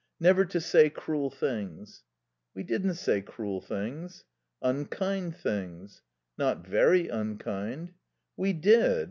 Never to say cruel things." "We didn't say cruel things." "Unkind things." "Not very unkind." "We did.